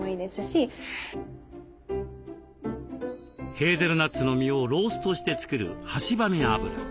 ヘーゼルナッツの実をローストして作るはしばみ油。